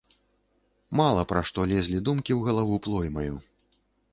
Мала пра што лезлі думкі ў галаву плоймаю.